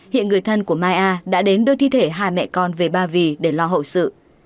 hiện người thân của mai a đã đến đưa thi thể hai mẹ con về ba vì để lo hậu sự